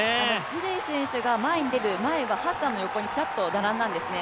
ギデイ選手が前に出る、前はハッサンの横にぴたっと並んだんですね。